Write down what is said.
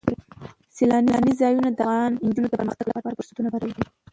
سیلانی ځایونه د افغان نجونو د پرمختګ لپاره فرصتونه برابروي.